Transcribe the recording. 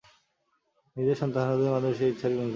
নিজের সন্তানহত্যার মাধ্যমে সেই ইচ্ছারই অংশবিশেষ পূর্ণ হচ্ছে।